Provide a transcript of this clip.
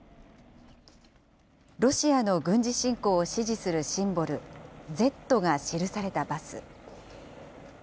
ロシアの軍事侵攻を支持するシンボル、Ｚが記されたバス。